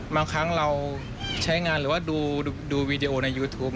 บางครั้งเราใช้งานหรือว่าดูวีดีโอในยูทูป